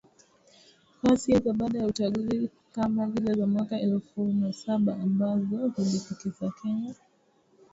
ghasia za baada ya uchaguzi kama zile za mwaka elfu na saba ambazo ziliitikisa Kenya